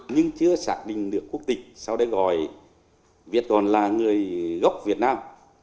nhưng chưa xác định được quốc tịch sau đây gọi việt còn là người gốc việt nam